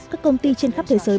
các công ty trên khắp thế giới